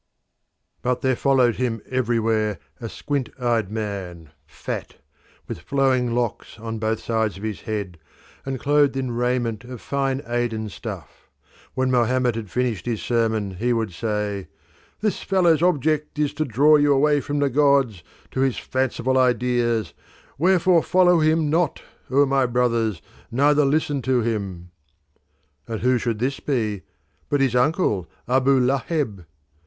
But there followed him everywhere a squint eyed man, fat, with flowing locks on both sides of his head, and clothed in raiment of fine Aden stuff. When Mohammed had finished his sermon he would say, "This fellow's object is to draw you away from the gods to his fanciful ideas; wherefore follow him not, O my brothers, neither listen to him." And who should this be but his uncle, Abu Laheb!